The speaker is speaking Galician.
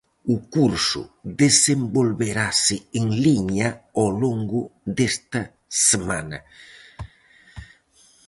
O curso desenvolverase en liña ao longo desta semana.